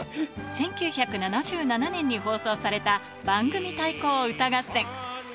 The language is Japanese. １９７７年に放送された、番組対抗歌合戦。